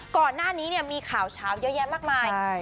ก่อนหน้านี้มีข่าวเช้าเยอะแยะมากมาย